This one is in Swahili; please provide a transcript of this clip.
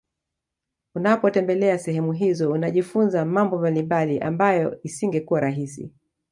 Unapotembelea sehemu hizo unajifunza mambo mbalimbali ambayo isingekuwa rahisi